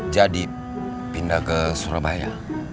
jadi pindah ke surabaya